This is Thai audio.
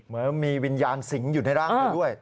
เหมือนมีวิญญาณสิงอยู่ในร่างเธอด้วย